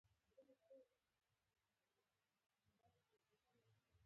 په قلم د نړۍ راتلونکی لیکل کېږي.